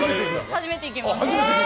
初めて行きます。